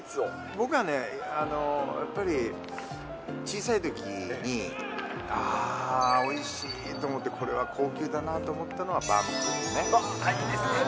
僕はね、やっぱり小さいときに、ああ、おいしいと思って、これは高級だなと思ったのは、いいですね。